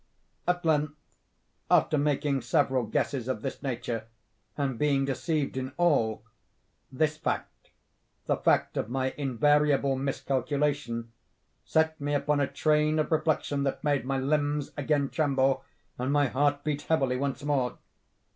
At length, after making several guesses of this nature, and being deceived in all—this fact—the fact of my invariable miscalculation, set me upon a train of reflection that made my limbs again tremble, and my heart beat heavily once more.